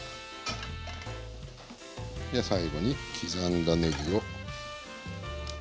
で最後に刻んだねぎを。